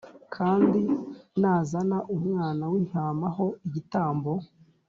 Kandi nazana umwana w, intama ho igitambo